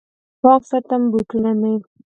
پاک ساتم بوټونه مې